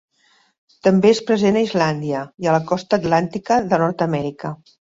També és present a Islàndia i a la costa atlàntica de Nord-amèrica.